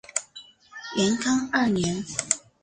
元康二年。